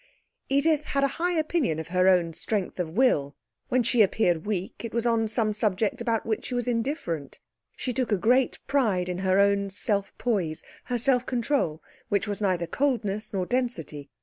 Edith had a high opinion of her own strength of will. When she appeared weak it was on some subject about which she was indifferent. She took a great pride in her own self poise; her self control, which was neither coldness nor density.